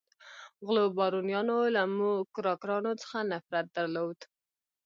غلو بارونیانو له موکراکرانو څخه نفرت درلود.